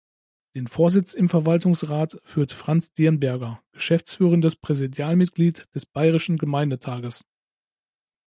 Den Vorsitz im Verwaltungsrat führt Franz Dirnberger, Geschäftsführendes Präsidialmitglied des Bayerischen Gemeindetages.